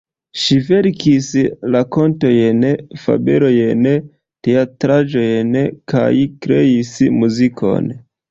Ŝi verkis rakontojn, fabelojn, teatraĵojn kaj kreis muzikon.